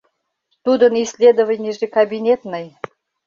Тудын исследованийже кабинетный.